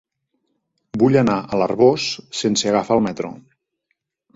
Vull anar a l'Arboç sense agafar el metro.